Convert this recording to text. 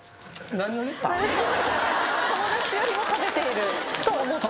友達よりも食べていると思って。